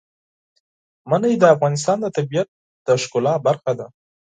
منی د افغانستان د طبیعت د ښکلا برخه ده.